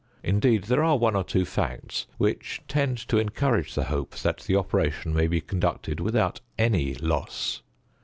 Indeed, there are one or two facts which tend to encourage the hope that the operation may be conducted without any loss.